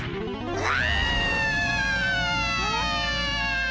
うわ！